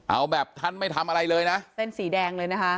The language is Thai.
เอาแบบท่านไม่ทำอะไรเลยนะเส้นสีแดงเลยนะคะ